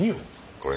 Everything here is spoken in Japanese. これ。